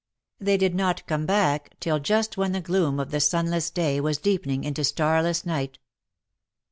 They did not come back till just when the gloom of the sunless day was deepening into starless night.